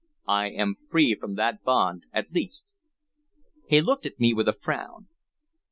I am free from that bond, at least." He looked at me with a frown.